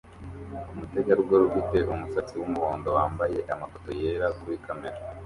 Umutegarugori ufite umusatsi wumuhondo wambaye amafoto yera kuri kamera